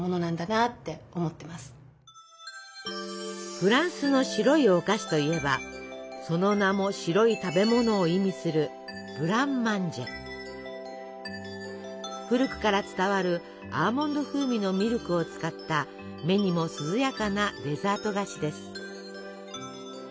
フランスの白いお菓子といえばその名も白い食べ物を意味する古くから伝わるアーモンド風味のミルクを使った目にも涼やかなデザート菓子です。